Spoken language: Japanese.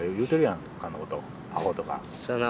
そうやな。